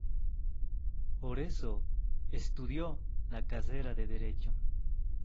Por eso, estudió la carrera de Derecho.